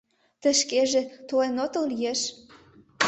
— Тый шкеже толен отыл, лиеш?